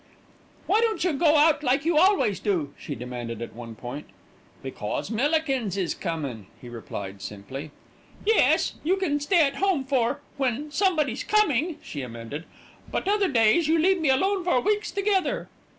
"Why don't you go out like you always do?" she demanded at one point. "Because Millikins is comin'," he replied simply. "Yes, you can stay at home for when somebody's coming," she amended, "but other days you leave me alone for weeks together."